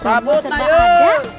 serba serba ada pembalut juga ada